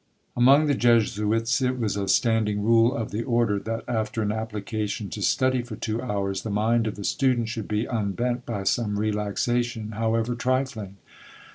Among the Jesuits it was a standing rule of the order, that after an application to study for two hours, the mind of the student should be unbent by some relaxation, however trifling.